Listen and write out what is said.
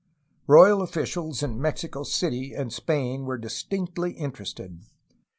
Royal officials in Mexico City and Spain were distinctly interested.